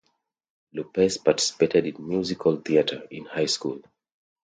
Lopez participated in musical theatre in high school.